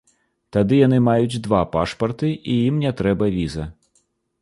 Тады яны маюць два пашпарты, і ім не трэба віза.